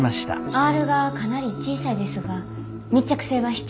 アールがかなり小さいですが密着性は必要でしょうか？